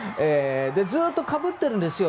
ずっとかぶってるんですよ。